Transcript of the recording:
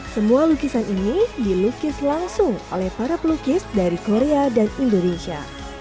semua lukisan ini dilukis langsung oleh para pelukis dari korea dan indonesia